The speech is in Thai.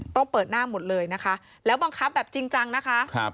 เปิดหน้าหมดเลยนะคะแล้วบังคับแบบจริงจังนะคะ